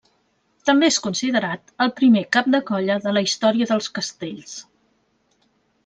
També és considerat el primer cap de colla de la història dels castells.